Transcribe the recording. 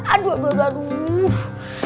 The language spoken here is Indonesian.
aduh aduh aduh